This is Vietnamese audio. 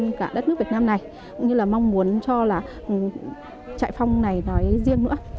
của cả đất nước việt nam này cũng như là mong muốn cho là trại phong này nói riêng nữa